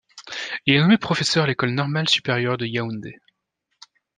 Il est nommé professeur à l'École normale supérieure de Yaoundé.